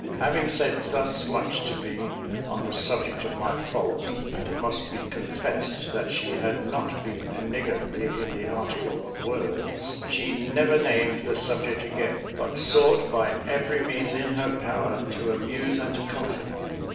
Having said thus much to me on the subject of my fault (and it must be confessed that she had not been niggardly in the article of words), she never named the subject again, but sought by every means in her power to amuse and to comfort me.